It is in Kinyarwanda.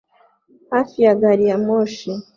hafi ya gari ya moshi